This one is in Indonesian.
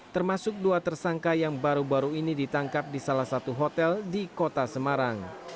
termasuk dua tersangka yang baru baru ini ditangkap di salah satu hotel di kota semarang